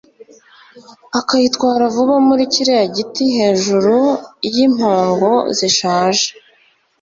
akayitwara vuba muri kiriya giti, hejuru yimpongo zishaje